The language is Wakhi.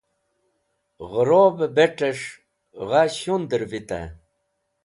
Ghẽrobẽ bet̃ẽs̃h gha shundẽr vite.